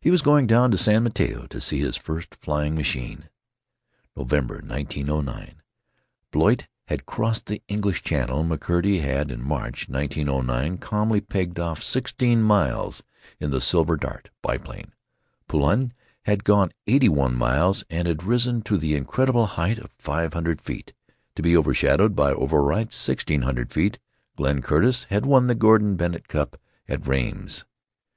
He was going down to San Mateo to see his first flying machine! November, 1909. Blériot had crossed the English Channel; McCurdy had, in March, 1909, calmly pegged off sixteen miles in the "Silver Dart" biplane; Paulhan had gone eighty one miles, and had risen to the incredible height of five hundred feet, to be overshadowed by Orville Wright's sixteen hundred feet; Glenn Curtiss had won the Gordon Bennett cup at Rheims.